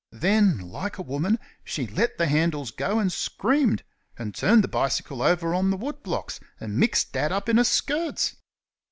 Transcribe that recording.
Then, like a woman, she let the handles go and screamed, and turned the bicycle over on the wood blocks, and mixed Dad up in her skirts.